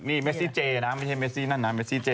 นี่เมสซี่เจไม่ใช่เมสซี่นั่น